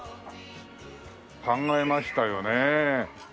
考えましたよねえ。